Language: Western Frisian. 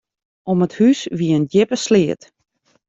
Om it hús wie in djippe sleat.